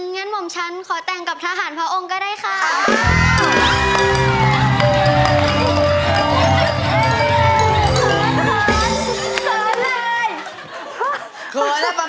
งั้นหม่อมฉันขอแต่งกับทหารพระองค์ก็ได้ค่ะ